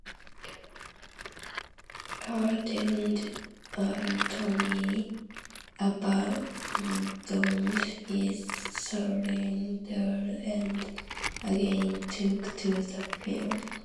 Heartened, Antoine abandoned his surrender and again took to the field.